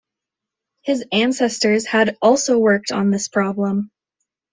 His ancestors had also worked on this problem.